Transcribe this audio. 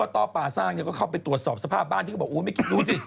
ตรวจสอบสภาพบ้านที่ก็บอกโอ้ยไม่คิดดูสิ